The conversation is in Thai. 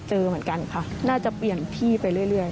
เหมือนกันค่ะน่าจะเปลี่ยนที่ไปเรื่อย